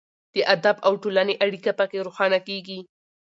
د ادب او ټولنې اړیکه پکې روښانه کیږي.